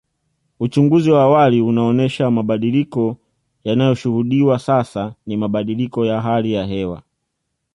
Uchunguzi wa awali unaonesha mabadiliko yanayoshuhudiwa sasa ni mabadiliko ya hali ya hewa